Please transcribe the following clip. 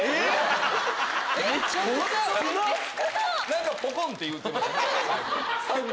何か「ポコン」って言うてる？